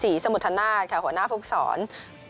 ศรีสมุทนาทหัวหน้าฝึกสรเขา